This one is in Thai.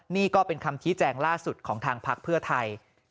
นี่ก็เป็นคำชี้แจงล่าสุดของทางพักเพื่อไทย